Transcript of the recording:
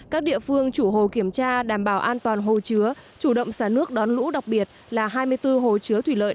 các địa phương chủ hồ kiểm tra đảm bảo an toàn hồ chứa chủ động xả nước đón lũ đặc biệt là hai mươi bốn hồ chứa thủy lợi